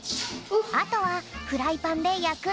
あとはフライパンでやくだけ。